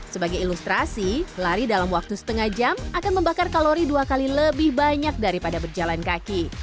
sebagai ilustrasi lari dalam waktu setengah jam akan membakar kalori dua kali lebih banyak daripada berjalan kaki